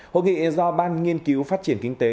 hội nghị do ban nghiên cứu phát triển kinh tế